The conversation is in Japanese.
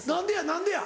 何でや？